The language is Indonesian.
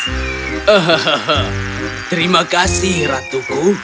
hahaha terima kasih ratuku